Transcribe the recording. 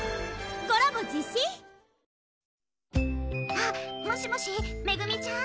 あっもしもし恵ちゃん？